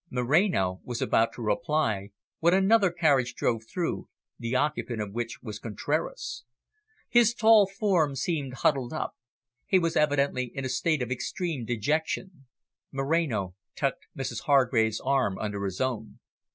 Moreno was about to reply when another carriage drove through, the occupant of which was Contraras. His tall form seemed huddled up; he was evidently in a state of extreme dejection. Moreno tucked Mrs Hargrave's arm under his own.